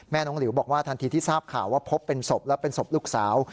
น้องหลิวบอกว่าทันทีที่ทราบข่าวว่าพบเป็นศพและเป็นศพลูกสาว